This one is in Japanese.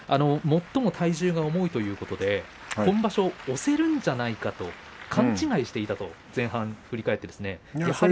最も体重が重いということで今場所、押せるんではないかと勘違いしていたと前半を振り返っていました。